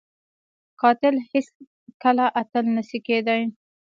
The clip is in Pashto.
قاتل هیڅ کله اتل نه شي کېدای